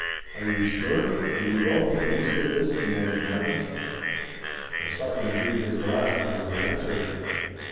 "Are you sure? are you well convinced of this?" demanded Markham. "I saw him breathe his last," was the answer.